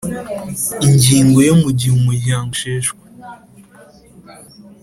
Ingingo yo mu gihe umuryango usheshwe